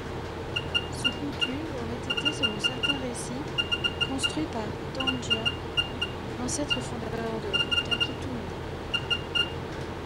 Ce koutu aurait été selon certains récits, construit par Tangiia, l'ancêtre fondateur de Takitumu.